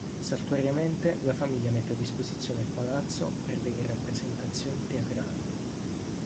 Saltuariamente la famiglia mette a disposizione il palazzo per delle rappresentazioni teatrali.